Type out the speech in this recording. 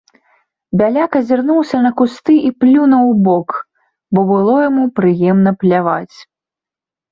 Бяляк азірнуўся на кусты і плюнуў убок, бо было яму прыемна пляваць.